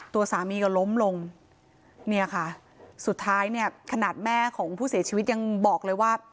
ตัวสามีก็ล้มลงเนี่ยค่ะสุดท้ายเนี่ยขนาดแม่ของผู้เสียชีวิตยังบอกเลยว่า